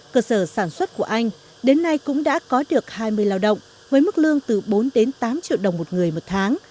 cơ sở sản xuất của anh đến nay cũng đã có được hai mươi lao động với mức lương từ bốn đến tám triệu đồng một người một tháng